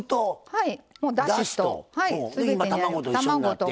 はい。